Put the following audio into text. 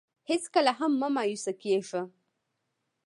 هېڅکله هم مه مایوسه کېږه.